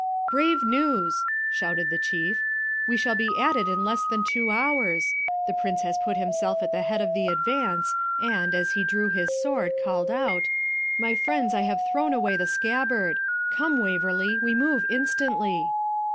'Brave news!' shouted the Chief; 'we shall be at it in less than two hours. The Prince has put himself at the head of the advance, and, as he drew his sword, called out, "My friends, I have thrown away the scabbard." Come, Waverley, we move instantly.'